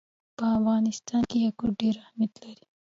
په افغانستان کې یاقوت ډېر اهمیت لري.